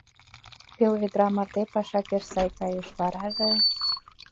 Пел ведра марте паша пеш сай кайыш, вараже...